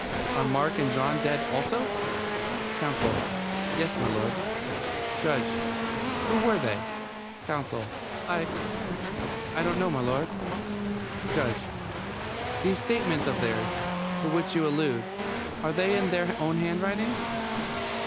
Are Mark and John dead, also? COUNSEL: Yes, m'lud. JUDGE: Who were they? COUNSEL: I I don't know, m'lud. JUDGE: These statements of theirs, to which you allude: are they in their own handwriting?